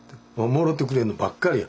もろうてくれんの？」ばっかりや。